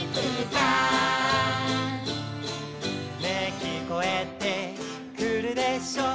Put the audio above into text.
「ね聞こえてくるでしょう」